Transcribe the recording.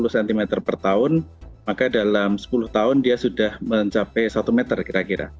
sepuluh cm per tahun maka dalam sepuluh tahun dia sudah mencapai satu meter kira kira